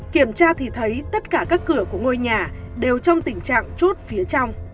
kiểm tra thì thấy tất cả các cửa của ngôi nhà đều trong tình trạng chút phía trong